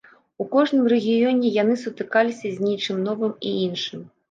У кожным рэгіёне яны сутыкаліся з нечым новым і іншым.